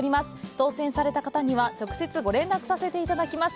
当せんされた方には、直接ご連絡させていただきます。